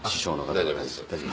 大丈夫です